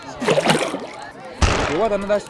د ګاونډي ماشومانو ته مهربان اوسه